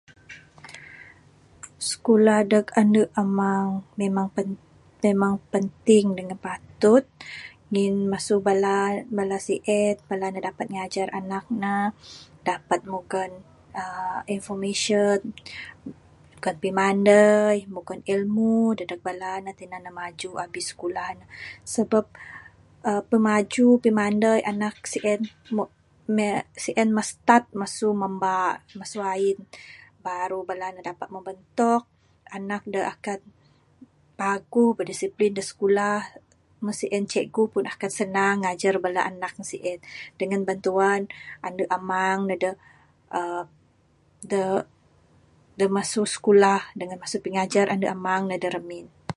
Skulah neg ande amang memang penting dangan patut ngin masu bala bala sien bala dapat ngajar anak ne dapat mugon uhh information mugon pimain mugon ilmu neg bala ne tinan ne maju abih skulah ne sabab pimaju pimanai sien moh start masu mamba masu ain ngundah dapat membentuk paguh berdisiplin da skulah meh sien bala cikgu pun senang ngajar bala anak ne sien dangan bantuan ande amang adeh da da masu skulah dangan pingajar ne da ramin.